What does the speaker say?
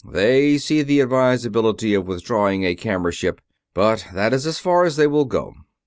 They see the advisability of withdrawing a camera ship, but that is as far as they will go."